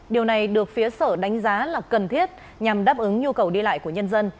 điều này được phía sở đánh giá là cần thiết nhằm đáp ứng nhu cầu đi lại của nhân dân